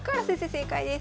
正解です。